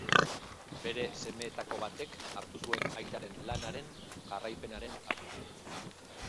Bere semeetako batek hartu zuen aitaren lanaren jarraipenaren ardura.